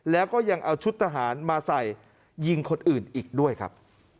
แล้วก็ยังเอาชุดทหารมาใส่ยิงคนอื่นอีกด้วยครับ